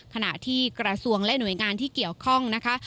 ขณะที่กระทรวงและหน่วยงานที่เกี่ยวข้องนะคะ